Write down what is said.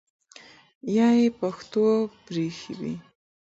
یا ئی پښتو پرېښې وي